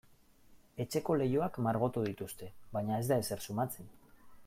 Etxeko leihoak margotu dituzte baina ez da ezer sumatzen.